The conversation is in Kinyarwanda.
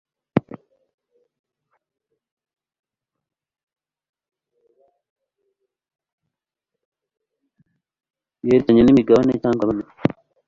yerekeranye n imigabane cyangwa imigabane